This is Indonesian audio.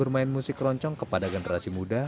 bermain musik keroncong kepada generasi muda